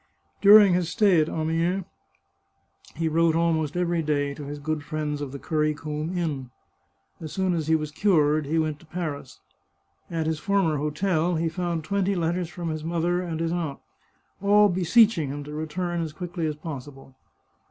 During his stay at Amiens he wrote almost every day to his good friends of the Currycomb Inn. As soon as he was cured he went to Paris. At his former hotel he found twenty let ters from his mother and his aunt, all beseeching him to re turn as quickly as possible.